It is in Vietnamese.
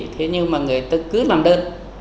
thế nhưng mà người ta cứ làm đơn